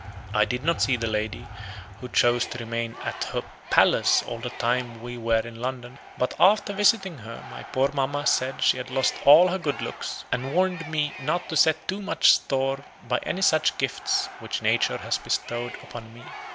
I did not see the lady, who chose to remain AT HER PALACE all the time we were in London; but after visiting her, my poor mamma said she had lost all her good looks, and warned me not to set too much store by any such gifts which nature had bestowed upon me.